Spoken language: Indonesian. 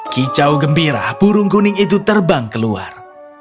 kicau gembira burung kuning itu terbang keluar